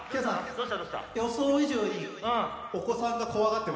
どうした？